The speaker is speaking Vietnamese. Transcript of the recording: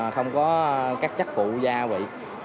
không có các chất phụ gia vị